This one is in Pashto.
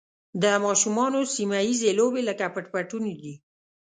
د ماشومانو سیمه ییزې لوبې لکه پټ پټونی دي.